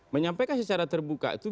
menyampaikan secara terbuka itu